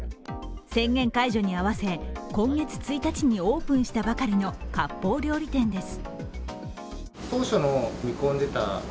宣言解除に合わせ、今月１日にオープンしたばかりのかっぽう料理店です。